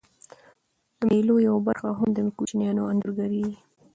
د مېلو یوه برخه هم د کوچنيانو انځورګرۍ يي.